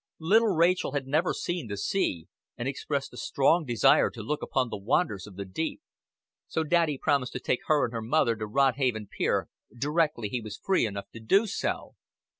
Little Rachel had never seen the sea, and expressed a strong desire to look upon the wonders of the deep; so daddy promised to take her and her mother to Rodhaven Pier directly he was free enough to do so.